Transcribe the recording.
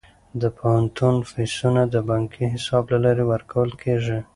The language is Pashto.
د پوهنتون فیسونه د بانکي حساب له لارې ورکول کیږي.